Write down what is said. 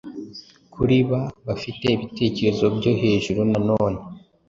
Kuri ba bafite ibitekerezo byo hejuru noneho